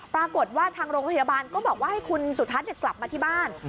ปรากฏว่าทางโรงพยาบาลก็บอกว่าให้คุณสุทัศน์กลับมาที่บ้าน